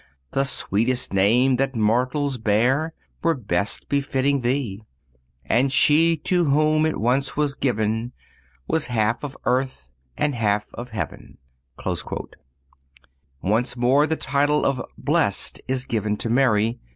The sweetest name that mortals bear, Were best befitting thee. And she to whom it once was given Was half of earth and half of heaven."(248) Once more the title of blessed, is given to Mary.